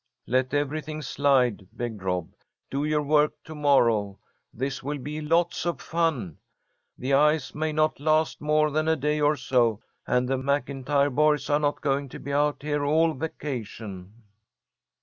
"Let everything slide!" begged Rob. "Do your work to morrow. This will be lots of fun. The ice may not last more than a day or so, and the MacIntyre boys are not going to be out here all vacation."